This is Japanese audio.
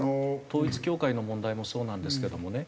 統一教会の問題もそうなんですけどもね